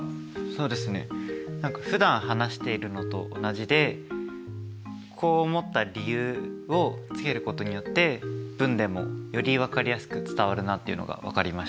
そうですね何かふだん話しているのと同じでこう思った理由をつけることによって文でもより分かりやすく伝わるなっていうのが分かりました。